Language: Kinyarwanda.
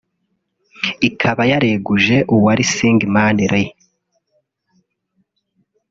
ikaba yareguje uwari Syngman Rhee